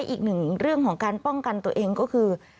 อีกหนึ่งเรื่องของการป้องกันตัวเองก็คือ